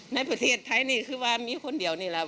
ในประเทศไทยนี่คือว่ามีคนเดียวนี่แหละ